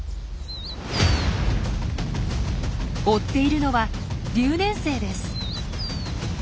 追っているのは留年生です。